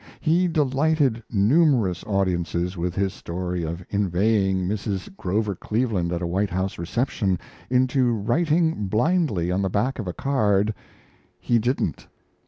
He delighted numerous audiences with his story of inveighing Mrs. Grover Cleveland at a White House reception into writing blindly on the back of a card "He didn't."